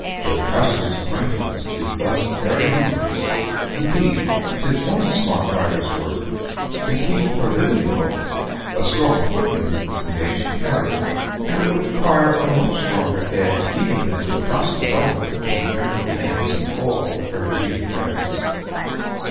Jocasta's acquaintance is thus very numerous. Indeed, 'tis one smart writer's work to keep her visiting book a strong footman is engaged to carry it; and it would require a much stronger head even than Jocasta's own to remember the names of all her dear friends.